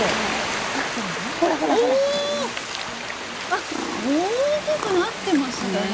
あっ大きくなってますね！